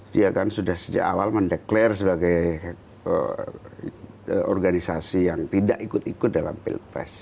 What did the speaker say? dia kan sudah sejak awal mendeklarasi sebagai organisasi yang tidak ikut ikut dalam pilpres